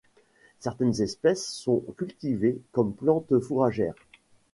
Certaines espèces sont cultivées comme plantes fourragères.